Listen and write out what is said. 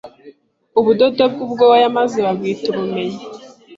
Ubudodo bwubwoya maze babwita Ubumenyi